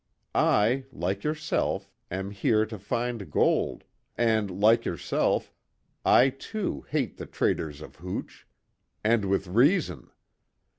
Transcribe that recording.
I, like yourself, am here to find gold, and like yourself, I too, hate the traders of hooch and with reason."